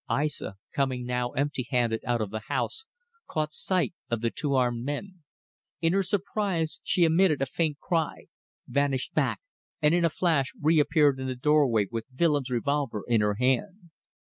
Aissa coming now empty handed out of the house, caught sight of the two armed men. In her surprise she emitted a faint cry, vanished back and in a flash reappeared in the doorway with Willems' revolver in her hand.